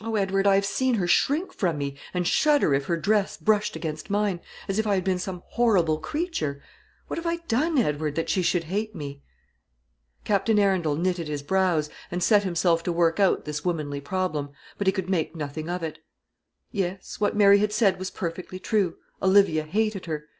O Edward, I have seen her shrink from me, and shudder if her dress brushed against mine, as if I had been some horrible creature. What have I done, Edward, that she should hate me?" Captain Arundel knitted his brows, and set himself to work out this womanly problem, but he could make nothing of it. Yes, what Mary had said was perfectly true: Olivia hated her.